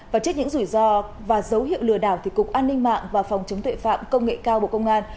và trước những rủi ro và dấu hiệu lừa đảo thì cục an ninh mạng và phòng chống tuệ phạm công nghệ cao bộ công an